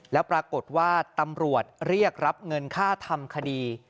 แล้วปรากฏว่าตำรวจเรียกรับเงินค่าทำคดี